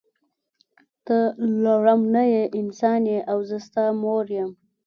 ته لړم نه یی انسان یی او زه ستا مور یم.